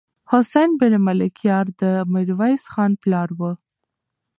حسين بن ملکيار د ميرويس خان پلار و.